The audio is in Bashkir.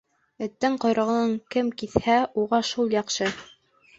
Эттең ҡойроғон кем киҫһә, уға шул яҡшы.